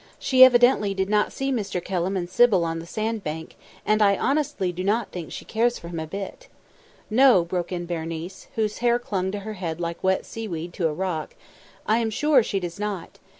"She evidently did not see Mr. Kelham and Sybil on the sand bank, and I honestly do not think she cares for him a bit." "No," broke in Berenice, whose hair clung to her head like wet seaweed to a rock; "I am sure she does not.